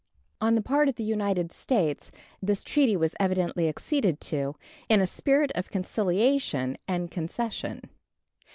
On the part of the United States this treaty was evidently acceded to in a spirit of conciliation and concession.